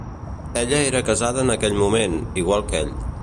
Ella era casada en aquell moment, igual que ell.